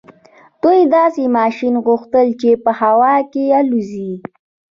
دوی داسې ماشين غوښت چې په هوا کې الوځي.